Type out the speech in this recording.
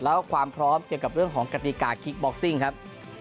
แล้วความพร้อมเกี่ยวกับเรื่องของกติกาคิกบ็อกซิ่งครับ